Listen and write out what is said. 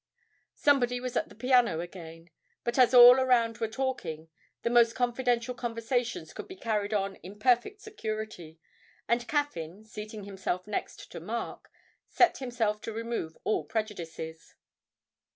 Somebody was at the piano again, but as all around were talking, the most confidential conversations could be carried on in perfect security, and Caffyn, seating himself next to Mark, set himself to remove all prejudices.